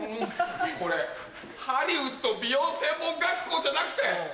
これハリウッド美容専門学校じゃなくて。